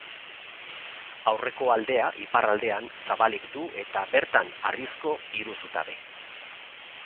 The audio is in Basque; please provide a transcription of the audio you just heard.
Aurreko aldea, iparraldean, zabalik du eta, bertan, harrizko hiru zutabe.